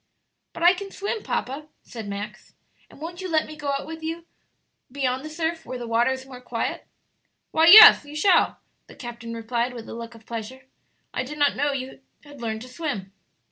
"But I can swim, papa," said Max; "and won't you let me go with you out beyond the surf, where the water is more quiet?" "Why yes, you shall," the captain replied, with a look of pleasure; "I did not know that you had learned to swim."